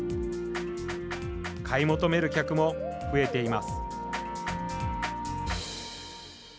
買い求める客も増えています。